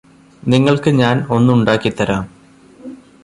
നിങ്ങൾക്ക് ഞാന് ഒന്നുണ്ടാക്കി തരാം